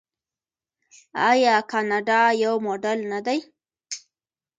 آیا کاناډا یو موډل نه دی؟